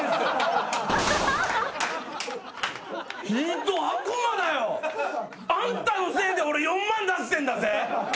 ひどっ悪魔だよ。あんたのせいで俺４万出してんだぜ。